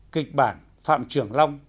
kịch bản phạm trưởng long